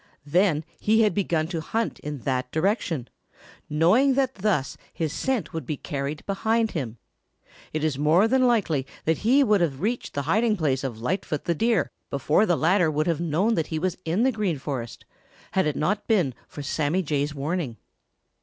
Then he had begun to hunt in that direction, knowing that thus his scent would be carried behind him. It is more than likely that he would have reached the hiding place of Lightfoot the Deer before the latter would have known that he was in the Green Forest, had it not been for Sammy Jay's warning.